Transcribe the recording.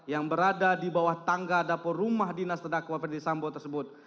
yang berada di bawah tangga dapur rumah dinas terdakwa ferdisambo tersebut